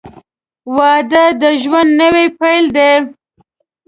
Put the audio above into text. • واده د ژوند نوی پیل دی.